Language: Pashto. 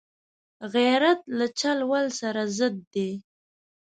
غیرت له چل ول سره ضد دی